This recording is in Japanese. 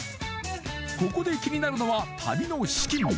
ここで気になるのは旅の資金